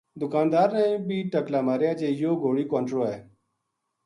دکاندار نے بھی ٹقلا ماریا جی یوہ گھوڑی کو انٹڑو ہے